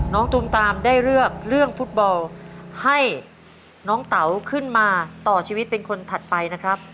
ตูมตามได้เลือกเรื่องฟุตบอลให้น้องเต๋าขึ้นมาต่อชีวิตเป็นคนถัดไปนะครับ